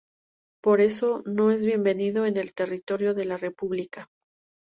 Por eso, no es bienvenido en el territorio de la República".